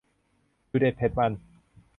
ดุเด็ดเผ็ดมัน